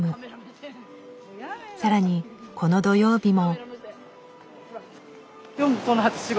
更にこの土曜日も。